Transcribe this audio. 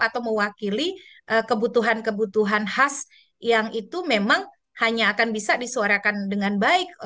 atau mewakili kebutuhan kebutuhan khas yang itu memang hanya akan bisa disuarakan dengan baik